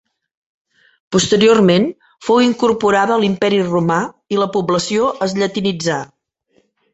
Posteriorment fou incorporada a l'Imperi romà i la població es llatinitzà.